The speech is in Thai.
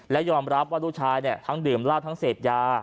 และยอมรับว่าลูกชายทั้งดื่มเหล้าทั้งเสพยา